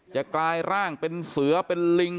กลายร่างเป็นเสือเป็นลิง